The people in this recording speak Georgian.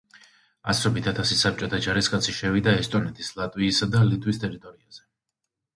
ასობით ათასი საბჭოთა ჯარისკაცი შევიდა ესტონეთის, ლატვიისა და ლიტვის ტერიტორიაზე.